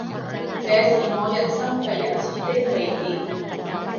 這是我人生第一次的離別